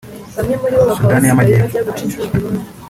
Sudan y’Amajyepfo